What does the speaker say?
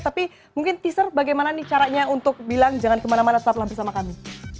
tapi mungkin teaser bagaimana nih caranya untuk bilang jangan kemana mana tetaplah bersama kami